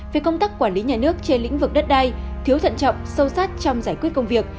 về công tác quản lý nhà nước trên lĩnh vực đất đai thiếu thận trọng sâu sát trong giải quyết công việc